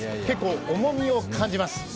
結構重みを感じます。